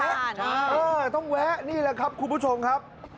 เออต้องแวะนี่แหละครับคุณผู้ชมครับ